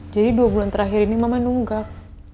jadi dua bulan terakhir ini mama nunggak